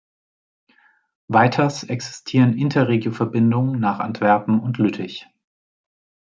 Weiters existieren Interregio-Verbindungen nach Antwerpen und Lüttich.